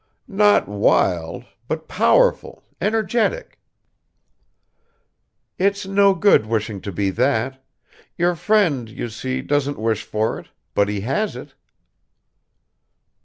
"Not wild, but powerful, energetic." "It's no good wishing to be that ... your friend, you see, doesn't wish for it, but he has it."